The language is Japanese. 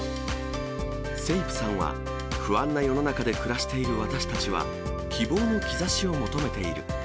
セイプさんは、不安な世の中で暮らしている私たちは、希望の兆しを求めている。